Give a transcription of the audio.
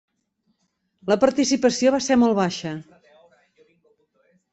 La participació va ser molt baixa.